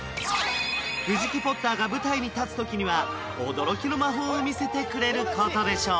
藤木ポッターが舞台に立つ時には驚きの魔法を見せてくれることでしょう